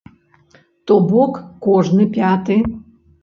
То бок, кожны пяты.